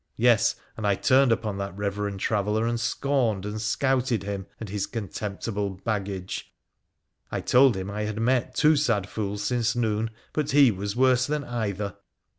Yes ; and I turned upon that reverend traveller and scorned and scouted him and his contemptible baggage. I told him I had met two sad fools since noon, but he was worse than either.